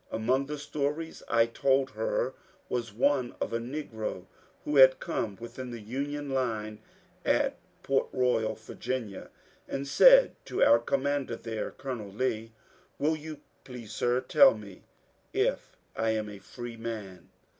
Among the stories I told her was one of a negro who had come within the Union line at Port Boyal, Va., and said to our commander there. Colonel Lee, ^* Will you please, sir, tell me if I am a free man